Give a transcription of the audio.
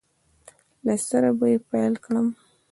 له سره به یې پیل کړم